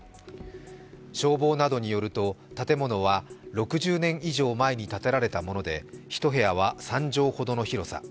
消防などによると、建物は６０年以上前に建てられたもので１部屋は３畳ほどの広さ。